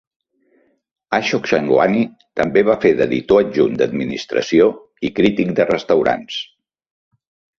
Ashok Chandwani també va fer d'editor adjunt d'administració i crític de restaurants.